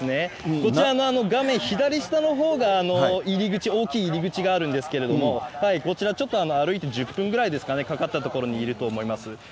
こちらの画面左下のほうが入り口、大きい入口があるんですけども、こちら、ちょっと歩いて１０分ぐらいですかね、かかった所にいると思います。